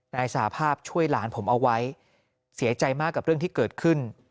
นายสาภาพช่วยหลานผมเอาไว้เสียใจมากกับเรื่องที่เกิดขึ้น